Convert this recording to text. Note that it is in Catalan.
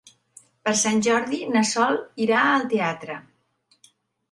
Per Sant Jordi na Sol irà al teatre.